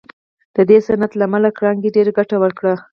د دې صنعت له امله کارنګي ډېره ګټه وکړه